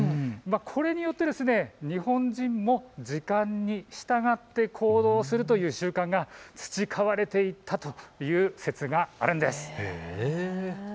これによって日本人も時間に従って行動するという習慣が培われたという説があるんです。